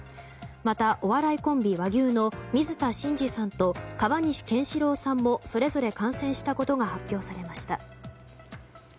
また、お笑いコンビ和牛の水田信二さんと川西賢志郎さんもそれぞれ感染したことが発表されました。